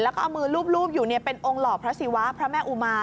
แล้วก็เอามือรูปอยู่เป็นองค์หล่อพระศิวะพระแม่อุมา